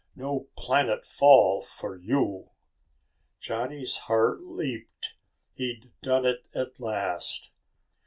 No planet fall for you!" Johnny's heart leaped. He'd done it at last!